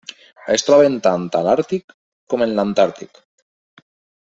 Es troben tant en l'Àrtic com en l'Antàrtic.